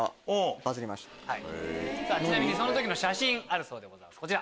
ちなみにその時の写真あるそうでございますこちら。